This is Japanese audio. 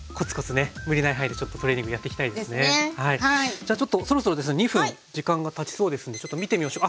じゃあちょっとそろそろですね２分時間がたちそうですのでちょっと見てみましょう。